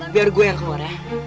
biar gue yang keluar ya